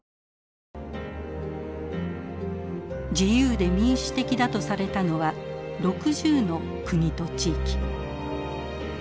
自由で民主的だとされたのは６０の国と地域。